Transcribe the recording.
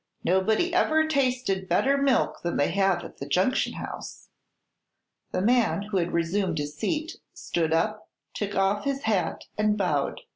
Nobody ever tasted better milk than they have at the Junction House." The man, who had resumed his seat, stood up, took off his hat and bowed.